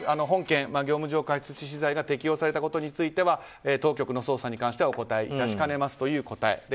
本件、業務上過失致死罪が適用されたことについては当局の捜査についてはお答え致しかねますという答え。